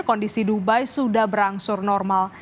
kondisi dubai sudah berangsur normal